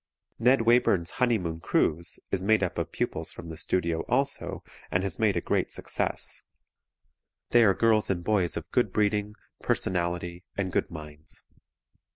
Ned Wayburn's "Honeymoon Cruise" is made up of pupils from the Studio, also, and has made a great success. They are girls and boys of good breeding, personality and good minds.